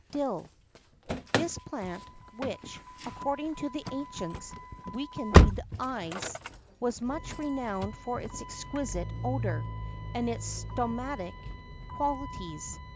[X 12] DILL. This plant, which, according to the ancients, weakened the eyes,[X 13] was much renowned for its exquisite odour,[X 14] and its stomachic qualities.